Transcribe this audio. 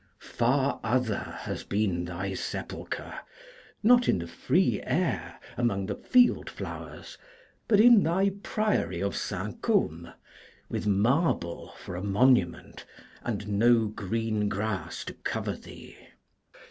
Far other has been thy sepulchre: not in the free air, among the field flowers, but in thy priory of Saint Cosme, with marble for a monument, and no green grass to cover thee.